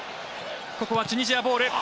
ここはチュニジアボール。